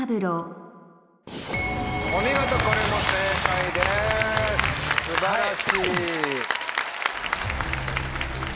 お見事これも正解です素晴らしい。